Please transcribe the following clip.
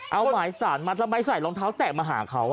เอาหมายศร้านมัดร้อยใส่รองเท้าแตะมาหาเขา